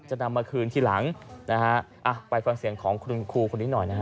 จะนำมาคืนทีหลังนะฮะอ่ะไปฟังเสียงของคุณครูคนนี้หน่อยนะฮะ